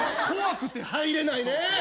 怖くて入れないね！